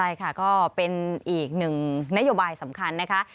ใช่ค่ะก็เป็นอีกหนึ่งนโยบายสำคัญนะคะ